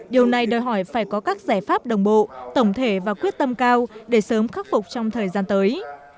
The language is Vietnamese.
điều này đòi hỏi phải có các giải pháp đồng bộ tổng thể và quyết tâm cao để sớm khắc phục trong thời gian tới